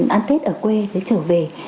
ăn tết ở quê để trở về